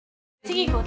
次。